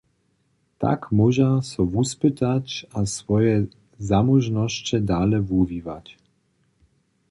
Tak móža so wuspytać a swoje zamóžnosće dale wuwiwać.